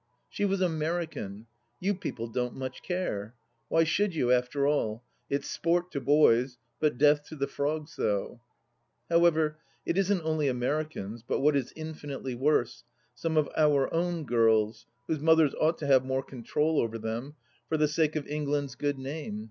... She was American. You people don't much care 1 Why should you, after all ? It's sport to boys, but death to the frogs, though 1 However, it isn't only Americans, but what is infinitely worse : some of Our own girls, whose mothers ought to have more control over them, for the sake of England's good name.